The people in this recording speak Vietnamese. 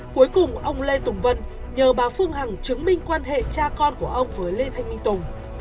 cuối cùng ông lê tùng vân nhờ bà phương hằng chứng minh quan hệ cha con của ông với lê thanh minh tùng